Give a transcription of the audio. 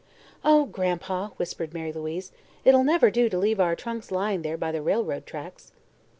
"Oh, Gran'pa!" whispered Mary Louise, "it'll never do to leave our trunks lying there by the railroad tracks."